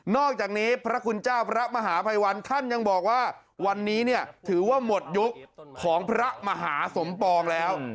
อกจากนี้พระคุณเจ้าพระมหาภัยวันท่านยังบอกว่าวันนี้เนี่ยถือว่าหมดยุคของพระมหาสมปองแล้ว